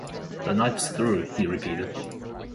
‘The night through,’ he repeated.